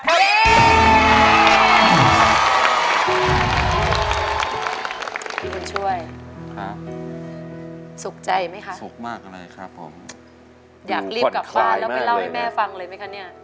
พี่บุญช่วยค่ะสุขใจไหมคะสุขมากอะไรครับผมอยากรีบกลับบ้านแล้วไปเล่าให้แม่ฟังเลยไหมคะเนี่ย